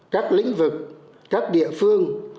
các lĩnh vực các địa phương